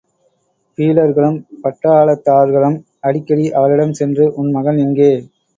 பீலர்களும் பட்டாளத்தார்களும் அடிக்கடி அவளிடம் சென்று, உன் மகன் எங்கே?